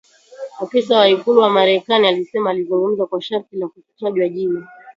afisa wa ikulu ya Marekani alisema akizungumza kwa sharti la kutotajwa jina